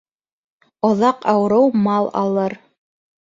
Оҙаҡ ауырыу мал алыр